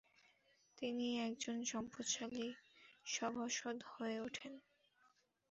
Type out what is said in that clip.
তিনি একজন সম্পদশালী সভাসদ হয়ে উঠেন।